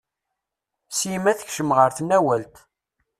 Sima tekcem ɣer tnawalt.